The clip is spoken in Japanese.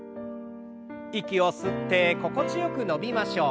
息を吸って心地よく伸びましょう。